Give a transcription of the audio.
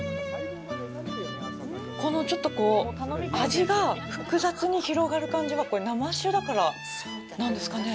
ちょっと味が複雑に広がる感じは生酒だからなんですかね。